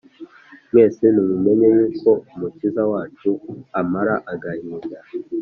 Mwese nimumenye yuko umukiza wacu amara agahinda